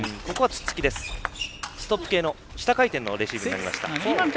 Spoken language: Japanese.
ツッツキ下回転のレシーブになりました。